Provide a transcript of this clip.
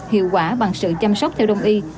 hiệu quả bằng sự chăm sóc theo đồng y